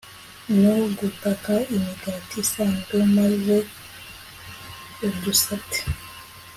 no gukata imigati isanzwe maze udusate